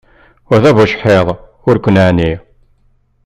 Wa d abucḥiḍ ur ken-neɛni.